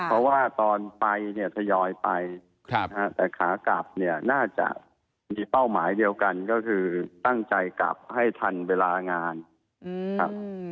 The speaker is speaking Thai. เพราะว่าตอนไปเนี่ยสยอยไปโอกาสเป็นขาออกก็ก็น่าจะมีเป้าหมายเท่ากันก็คือตั้งใจกลับให้ทันเวลางานครับ